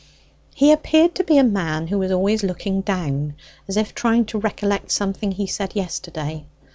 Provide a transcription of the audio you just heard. He appeared to be a man who was always looking down, as if trying to recollect something he said yesterday.